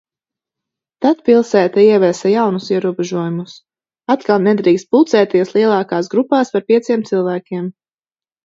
Tad pilsēta ieviesa jaunus ierobežojumus – atkal nedrīkst pulcēties lielākās grupās par pieciem cilvēkiem.